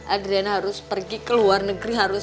adriana harus pergi ke luar negeri harus